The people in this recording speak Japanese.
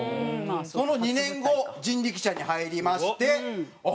その２年後人力舎に入りましてあっ